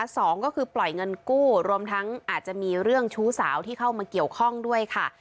สองก็คือปล่อยเงินกู้รวมทั้งอาจจะมีเรื่องชู้สาวที่เข้ามาเกี่ยวข้องด้วยค่ะ